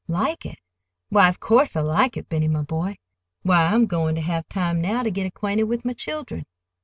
"Like it? Why, of course, I like it, Benny, my boy! Why, I'm going to have time now—to get acquainted with my children!"